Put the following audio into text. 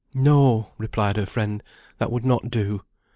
"No," replied her friend, "that would not do.